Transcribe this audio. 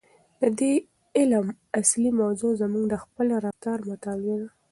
د دې علم اصلي موضوع زموږ د خپل رفتار مطالعه ده.